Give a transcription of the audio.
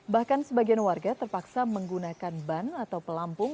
bahkan sebagian warga terpaksa menggunakan ban atau pelampung